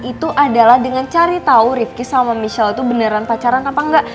itu adalah dengan cari tau rifqis sama michelle itu beneran pacaran atau enggak